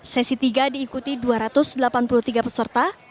sesi tiga diikuti dua ratus delapan puluh tiga peserta